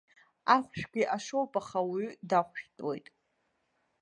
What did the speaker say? Ахәшәгьы ашоуп, аха ауаҩы дахәшәтәуеит.